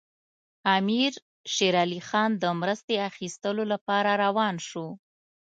امیر شېر علي خان د مرستې اخیستلو لپاره روان شو.